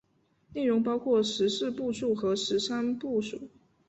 内容包括十四部注和十三部疏。